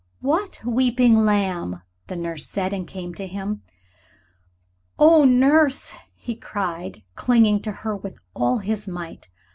"What, weeping, my lamb?" the nurse said, and came to him. "Oh, Nurse," he cried, clinging to her with all his might.